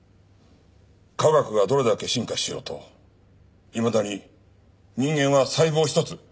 科学がどれだけ進化しようといまだに人間は細胞一つ